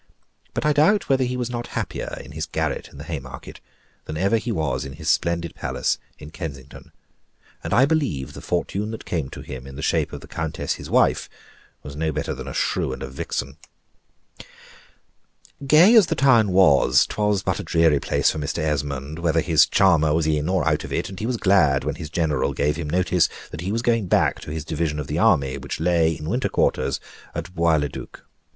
But I doubt whether he was not happier in his garret in the Haymarket, than ever he was in his splendid palace at Kensington; and I believe the fortune that came to him in the shape of the countess his wife was no better than a shrew and a vixen. Gay as the town was, 'twas but a dreary place for Mr. Esmond, whether his charmer was in or out of it, and he was glad when his general gave him notice that he was going back to his division of the army which lay in winter quarters at Bois le Duc.